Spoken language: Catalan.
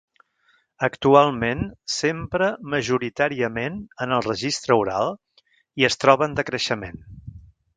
Actualment s'empra majoritàriament en el registre oral i es troba en decreixement.